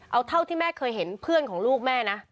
เอาเท่าที่แม่เคยเห็นเพื่อนของลูกแม่นะ